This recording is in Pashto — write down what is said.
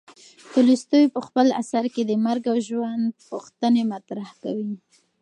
تولستوی په خپل اثر کې د مرګ او ژوند پوښتنې مطرح کوي.